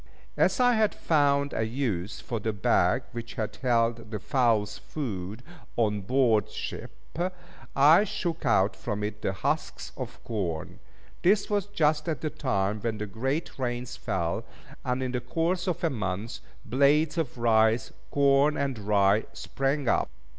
As I had found a use for the bag which had held the fowl's food on board ship, I shook out from it the husks of corn. This was just at the time when the great rains fell, and in the course of a month, blades of rice, corn, and rye, sprang up.